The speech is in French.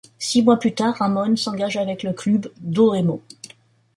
Six mois plus tard, Ramón s'engage avec le Clube do Remo.